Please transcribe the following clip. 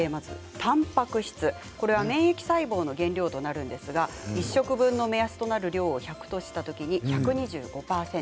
たんぱく質は免疫細胞の原料となるんですが１食分の目安となる量を１００としたときに１２５％。